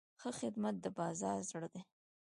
ښه خدمت د بازار زړه دی.